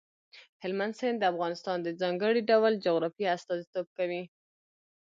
هلمند سیند د افغانستان د ځانګړي ډول جغرافیه استازیتوب کوي.